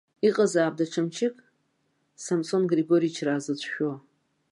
Иҟазаап даҽа мчык, самсонгригоричраа зыцәшәо.